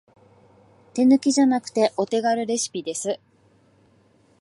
手抜きじゃなくてお手軽レシピです